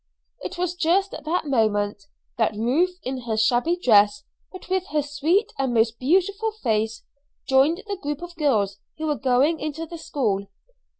It was just at that moment that Ruth in her shabby dress, but with her sweet and most beautiful face, joined the group of girls who were going into the school.